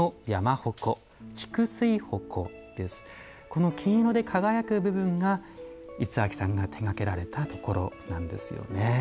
この金色で輝く部分が五明さんが手がけられたところなんですよね。